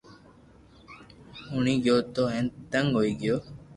ھوئيي گيو تو ھين تنگ ھوئي گيو